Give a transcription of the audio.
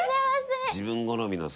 自分好みのさ